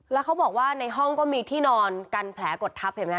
แล้วเขาบอกว่าในห้องก็มีที่นอนกันแผลกดทับเห็นไหมค